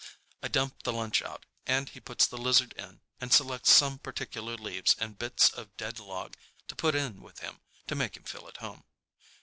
I dump the lunch out, and he puts the lizard in and selects some particular leaves and bits of dead log to put in with him to make him feel at home.